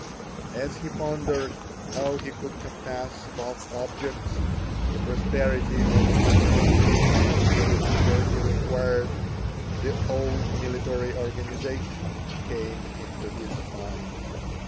As he pondered how he could compass both objects, the prosperity of the finances and the leisure he required, the old military organisation came into his mind.